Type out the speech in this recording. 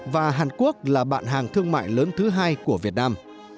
và hàn quốc là bạn hàng thương mại lớn thứ hai của việt nam